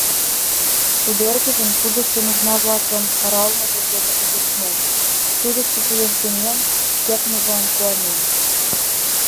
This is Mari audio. Тудо эргыжын судышто нужна-влакым аралымыж дене кугешнен, судышто тудын сеҥен кертмыжлан куанен.